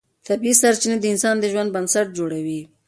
طبیعي سرچینې د انسان د ژوند بنسټ جوړوي